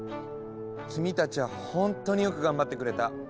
君たちはほんとによく頑張ってくれた。